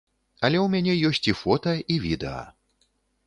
Але ў мяне ёсць і фота, і відэа.